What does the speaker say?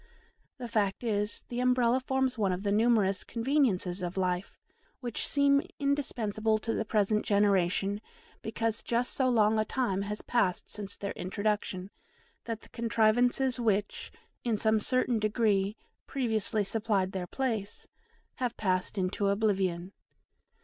The fact is, the Umbrella forms one of the numerous conveniences of life which seem indispensable to the present generation, because just so long a time has passed since their introduction, that the contrivances which, in some certain degree, previously supplied their place, have passed into oblivion.